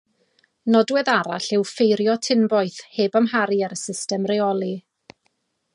Nodwedd arall yw ffeirio tinboeth heb amharu ar y system reoli.